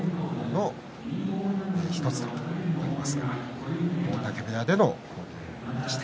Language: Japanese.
強豪の１つになりますが大嶽部屋で話のでした。